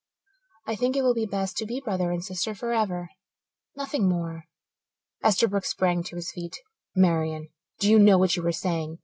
I think it will be best to be brother and sister forever nothing more." Esterbrook sprang to his feet. "Marian, do you know what you are saying?